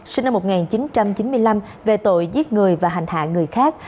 sinh năm một nghìn chín trăm chín mươi năm về tội giết người và hành hạ người khác